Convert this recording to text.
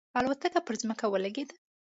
الوتکه پر ځمکه ولګېده.